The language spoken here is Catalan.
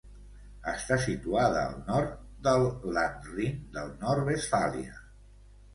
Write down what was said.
Està situada al nord del Land Rin del Nord-Westfàlia.